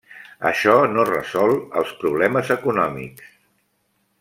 Això no resol els problemes econòmics.